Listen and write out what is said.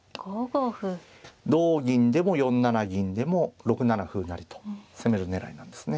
同銀でも４七銀でも６七歩成と攻める狙いなんですね。